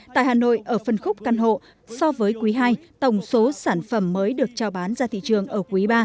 tại hà nội ở phân khúc căn hộ so với quý ii tổng số sản phẩm mới được trao bán ra thị trường ở quý ba